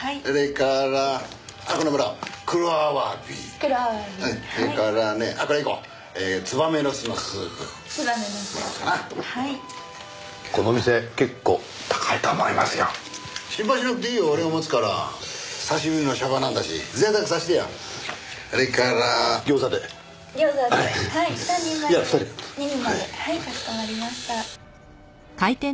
かしこまりました。